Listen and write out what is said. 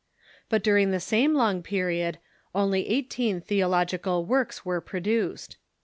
But during the same long period only eighteen theological works were pro duced.